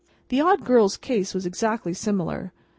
The Odd Girl's case was exactly similar.